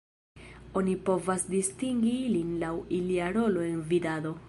Oni povas distingi ilin laŭ ilia rolo en vidado.